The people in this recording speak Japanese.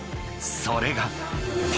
［それが］